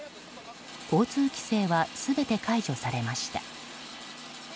交通規制は全て解除されました。